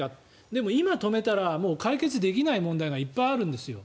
でも、今止めたらもう解決できない問題がいっぱいあるんです。